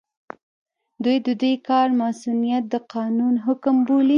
دوی د دې کار مصؤنيت د قانون حکم بولي.